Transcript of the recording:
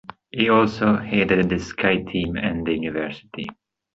He also headed the ski team at the university.